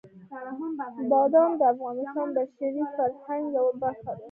بادام د افغانستان د بشري فرهنګ یوه برخه ده.